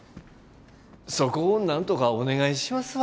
そこをなんとかお願いしますわ。